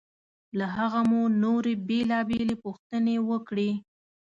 له هغه مو نورې بېلابېلې پوښتنې وکړې.